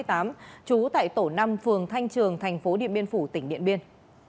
trú tại tổ năm phường thanh trường tp điện biên phủ tỉnh điện biên